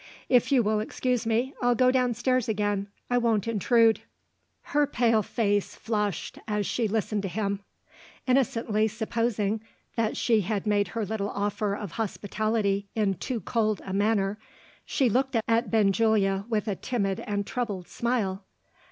"If you will excuse me, I'll go downstairs again; I won't intrude." Her pale face flushed as she listened to him. Innocently supposing that she had made her little offer of hospitality in too cold a manner, she looked at Benjulia with a timid and troubled smile.